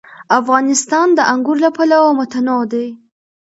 افغانستان د انګور له پلوه متنوع دی.